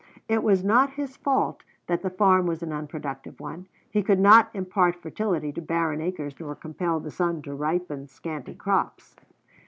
It was not his fault that the farm was an unproductive one; he could not impart fertility to barren acres nor compel the sun to ripen scanty crops.